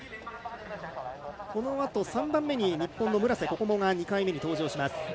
このあと、３番目に日本の村瀬心椛が２回目、登場します。